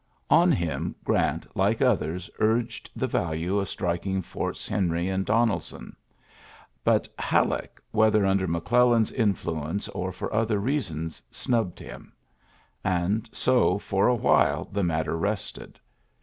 On him Grant, like others, urged the value of striking Forts Henry and Donelson. But Halleck, whether under McOellan's influence or for other reasons, snubbed him ; and so for a while the matter rested.